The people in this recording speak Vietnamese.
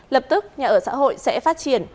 lập tức nhà ở xã hội sẽ phát triển